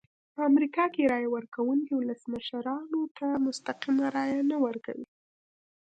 په امریکا کې رایه ورکوونکي ولسمشرانو ته مستقیمه رایه نه ورکوي.